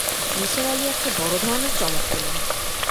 নিসার আলি একটা বড় ধরনের চমক পেলেন।